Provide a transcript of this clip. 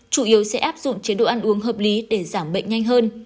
chủ yếu sẽ áp dụng chế độ ăn uống hợp lý để giảm bệnh nhanh hơn